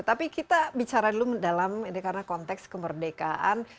tapi kita bicara dulu dalam konteks kemerdekaan